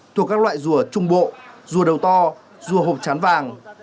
thuộc các loại rùa trung bộ rùa đầu to rùa hộp chán vàng